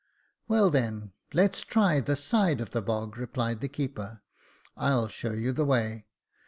Well, then let's try the side of the bog," replied the keeper. "I'll show you the way."